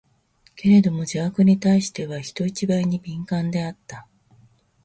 けれども邪悪に対しては、人一倍に敏感であった。